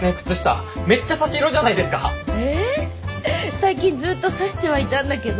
最近ずっと差してはいたんだけど。